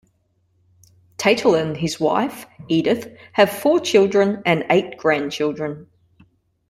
Tatel and his wife, Edith, have four children and eight grandchildren.